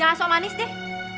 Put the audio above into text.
masuk manis deh